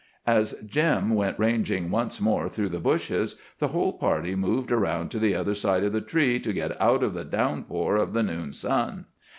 As Jim went ranging once more through the bushes, the whole party moved around to the other side of the tree to get out of the downpour of the noon sun.